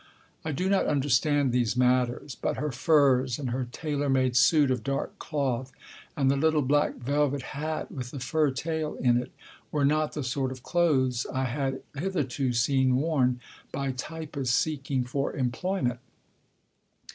I do not understand these matters, but her furs, and her tailor made suit of dark cloth, and the little black velvet hat with the fur tail in it were not the sort of clothes I had hitherto seen worn by typists seeking for employment.